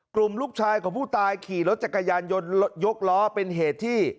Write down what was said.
กลุ่มลูกชายของผู้ตายขี่รถจักรยานยนต์ยกล้อเป็นเหตุที่